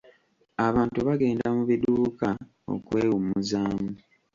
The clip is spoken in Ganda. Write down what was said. Abantu bagenda mu biduuka okwewummuzaamu.